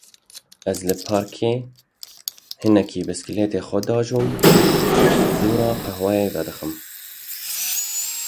Ez li parkê hinekî bisikletê xwe diajom, dû re qehweyê vedixwim.